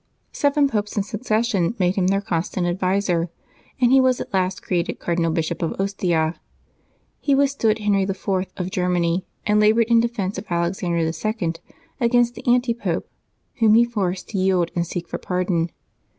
Seven Popes in succession made him their constant adviser, and he was at last created Cardinal Bishop of Ostia. He withstood Henry IV. of Germany, and labored in defence of Alex ander II. against the Antipope, whom he forced to yield and seek for panion.